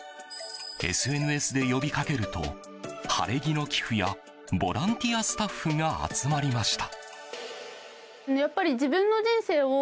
ＳＮＳで呼びかけると晴れ着の寄付やボランティアスタッフが集まりました。